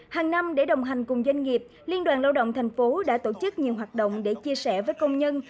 hàng năm để đồng hành cùng doanh nghiệp liên đoàn lao động thành phố đã tổ chức nhiều hoạt động để chia sẻ với công nhân